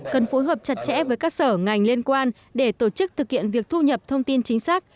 cần phối hợp chặt chẽ với các sở ngành liên quan để tổ chức thực hiện việc thu nhập thông tin chính xác